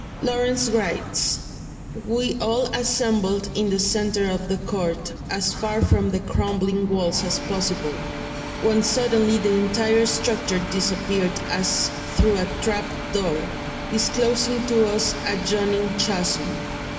Lawrence writes: "We all assembled in the centre of the court, as far from the crumbling walls as possible, ... when suddenly the entire structure disappeared as through a trap door, disclosing to us a yawning chasm.